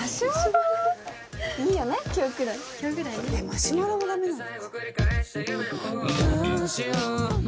マシュマロも駄目なの？